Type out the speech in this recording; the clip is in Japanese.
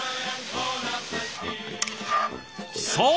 そう！